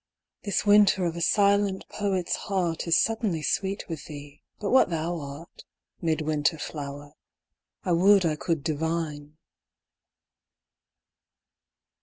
^ This winter of a silent poet's heart Is suddenly sweet with thee, but what thou art, Mid winter flower, I would I could divine.